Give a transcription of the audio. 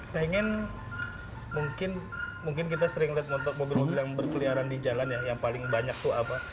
pengen mungkin kita sering lihat mobil mobil yang berkeliaran di jalan ya yang paling banyak tuh apa